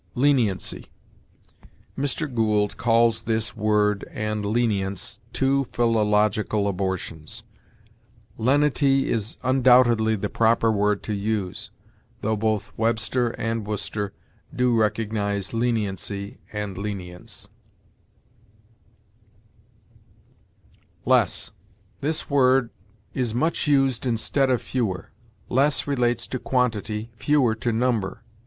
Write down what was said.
LENIENCY. Mr. Gould calls this word and lenience "two philological abortions." Lenity is undoubtedly the proper word to use, though both Webster and Worcester do recognize leniency and lenience. LESS. This word is much used instead of fewer. Less relates to quantity; fewer to number.